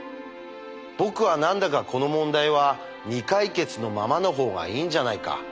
僕は何だかこの問題は未解決のままの方がいいんじゃないか。